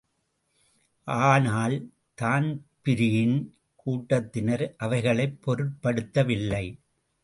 ஆனால் தான்பிரீன் கூட்டத்தினர் அவைகளைப் பொருட்படுத்தவில்லை.